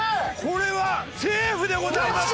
これはセーフでございます。